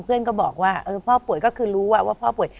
เพื่อนก็บอกว่าพ่อป่วยก็คือรู้ว่าพ่อป่วย